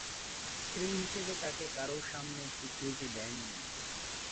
স্ত্রী হিসেবে তাকে কারও সামনে স্বীকৃতি দেননি।